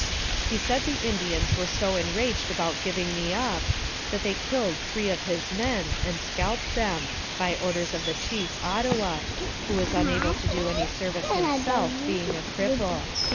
He said the Indians were so enraged about giving me up, that they killed three of his men and scalped them, by orders from the chief, Ottawa, who was un able to do any service himself, being a cripple.